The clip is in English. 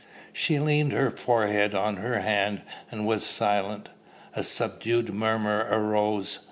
She leaned her forehead on her hand, and was silent. A subdued murmur arose.